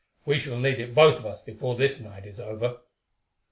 We shall need it, both of us, before this night is over.